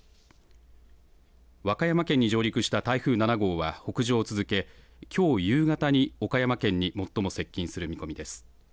和歌山県に上陸した台風７号は北上を続け、きょう夕方に岡山県に最も接近する見込みです。